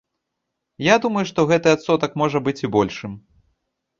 Я думаю, што гэты адсотак можа быць і большым.